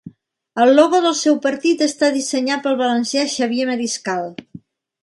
El logo del seu partit està dissenyat pel valencià Xavier Mariscal.